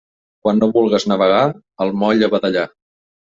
Quan no vulgues navegar, al moll a badallar.